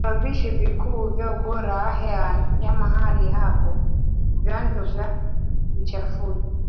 visababishi vikuu vya ubora wa hewa ya mahali hapo Vyanzo vya uchafuzi